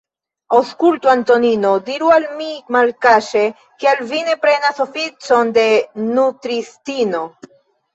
Aŭskultu, Antonino, diru al mi malkaŝe, kial vi ne prenas oficon de nutristino?